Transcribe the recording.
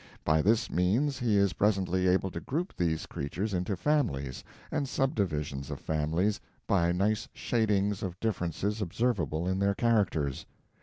By this means he is presently able to group these creatures into families and subdivisions of families by nice shadings of differences observable in their characters.